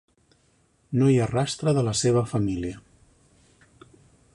No hi ha rastre de la seva família.